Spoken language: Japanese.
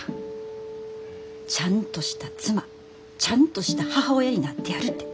ちゃんとした妻ちゃんとした母親になってやるて。